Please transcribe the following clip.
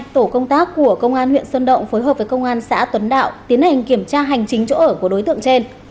tổ công tác của công an huyện xuân động phối hợp với công an xã tuấn đạo tiến hành kiểm tra hành chính chỗ ở của đối tượng trên